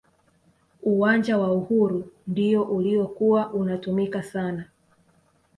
uwanja wa uhuru ndiyo uliyokuwa unatumika sana